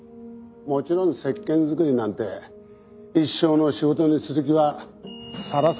もちろん石鹸作りなんて一生の仕事にする気はさらさらなかった。